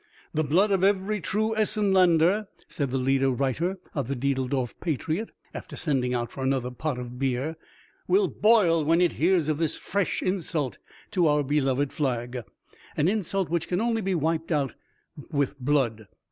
"The blood of every true Essenlander," said the leader writer of the "Diedeldorf Patriot", after sending out for another pot of beer, "will boil when it hears of this fresh insult to our beloved flag, an insult which can only be wiped out with blood."